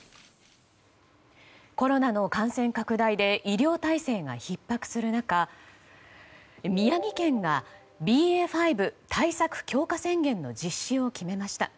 コロナの感染拡大で医療体制がひっ迫する中宮城県がＢＡ．５対策強化宣言の実施を決めました。